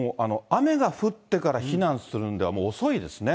雨が降ってから避難するんでは、もう遅いですね。